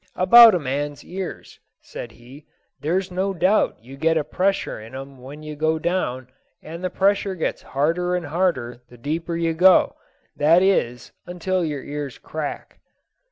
"About a man's ears," said he; "there's no doubt you get a pressure in 'em when you go down, and the pressure gets harder and harder the deeper you go, that is, until your ears crack."